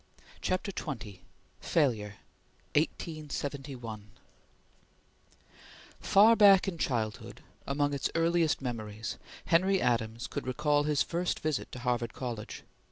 CHAPTER XX FAILURE (1871) FAR back in childhood, among its earliest memories, Henry Adams could recall his first visit to Harvard College.